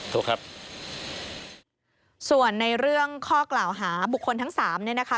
โทษครับส่วนในเรื่องข้อกล่าวหาบุคคลทั้งสามเนี่ยนะคะ